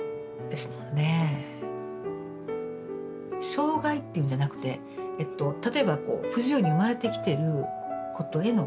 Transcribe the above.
障害っていうんじゃなくて例えば不自由に生まれてきてることへの障壁っていうかね